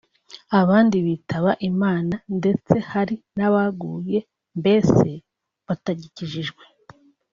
abandi bitaba Imana ndetse hari n’abaguye mbese batagikijijwe